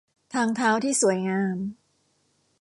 ทางเท้าที่สวยงาม